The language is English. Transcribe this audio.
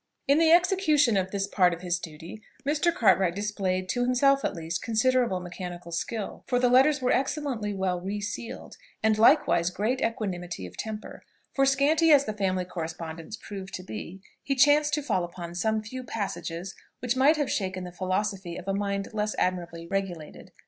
In the execution of this part of his duty Mr. Cartwright displayed, to himself at least, considerable mechanical skill for the letters were excellently well re sealed and likewise great equanimity of temper; for, scanty as the family correspondence proved to be, he chanced to fall upon some few passages which might have shaken the philosophy of a mind less admirably regulated.